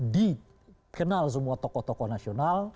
dikenal semua tokoh tokoh nasional